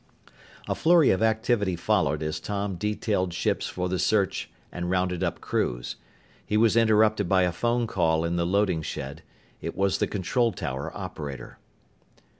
A flurry of activity followed as Tom detailed ships for the search and rounded up crews. He was interrupted by a phone call in the loading shed. It was the control tower operator.